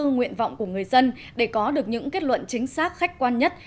nguyện vọng của người dân để có được những kết luận chính xác khách quan nhất